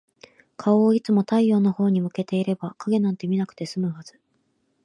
顔をいつも太陽のほうに向けていれば、影なんて見なくて済むはず。